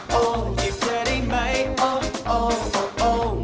หยิบเธอได้ไหมโอ๊ะโอ๊ะโอ๊ะโอ๊ะ